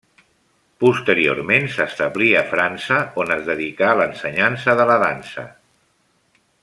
Posteriorment s'establí a França, on es dedicà a l'ensenyança de la dansa.